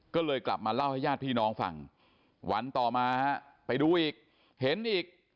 ก็เลยกลับมาเล่าให้ญาติพี่น้องฟังวันต่อมาฮะไปดูอีกเห็นอีก